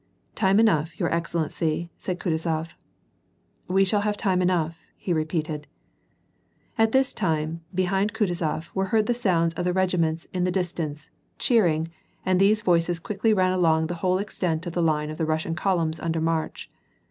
" Time enough, your excellency," said Kutuzof. " We shall have time enough," he repeated. At this time, behind Kutuzof, were heard the sounds of the regiments in the distance, cheering, and these voices quickly ran along the whole extent of the line of the Kussian columns under march.